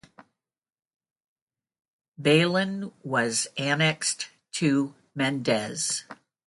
Bailen was annexed to Mendez.